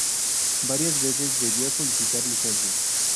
Varias veces debió solicitar licencia.